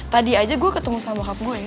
tadi aja gue ketemu sama bokap gue